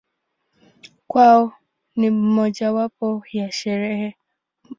Kwao ni mojawapo ya Sherehe kuu.